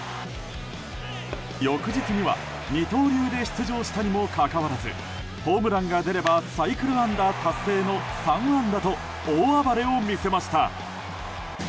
翌日には二刀流で出場したにもかかわらずホームランが出ればサイクル安打達成の３安打と大暴れを見せました。